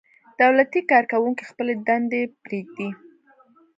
دولتي کارکوونکي خپلې دندې پرېږدي.